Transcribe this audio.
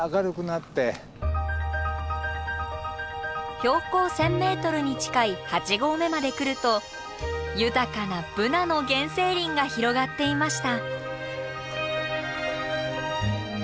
標高１，０００ｍに近い八合目まで来ると豊かなブナの原生林が広がっていました。